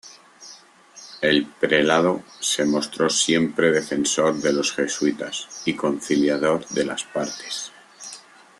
El prelado se mostró siempre defensor de los jesuitas y conciliador de las partes.